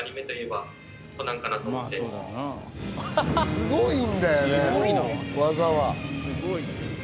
すごいんだよね、技は。